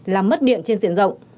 làm mất điện trên diện rộng